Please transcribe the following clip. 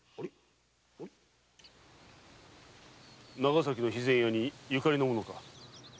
長崎の肥前屋にゆかりの者か？